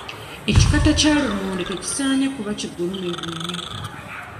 Ekikata kya lumonde tekisaanye kuba kigulumivu nnyo.